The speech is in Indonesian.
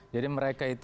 jadi mereka itu